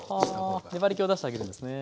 はは粘りけを出してあげるんですね。